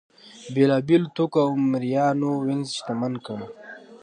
بېلابېلو توکو او مریانو وینز شتمن کړ.